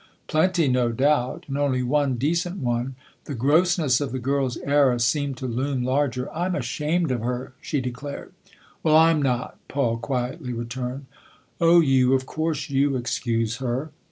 " Plenty, no doubt and only one decent one." The grossness of the girl's error seemed to loom larger. "I'm ashamed of her !" she declared. " Well, I'm not !" Paul quietly returned. " Oh, you of course you excuse her